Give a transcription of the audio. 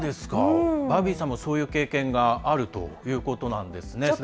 バービーさんもそういう経験があるということなんですね。